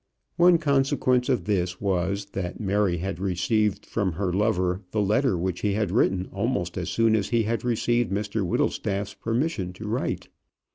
One consequence of this was, that Mary had received from her lover the letter which he had written almost as soon as he had received Mr Whittlestaff's permission to write.